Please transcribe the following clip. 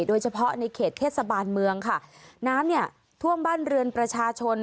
โดยเฉพาะในเขตเทศบาลเมืองค่ะน้ำเนี่ยท่วมบ้านเรือนประชาชน